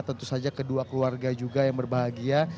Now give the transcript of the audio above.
tentu saja kedua keluarga juga yang berbahagia